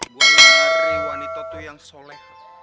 gue cari wanita tuh yang soleh